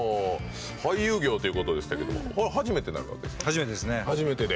俳優業ということでしたけど初めてですね。